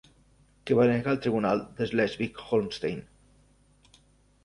Què va denegar el tribunal de Slesvig-Holstein?